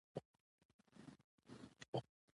ادبي ژبه د ژبي لوړي معیاري بڼي ته ویل کیږي.